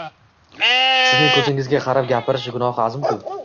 sizning ko‘zingizga qarab gapirish gunohi azim-ku!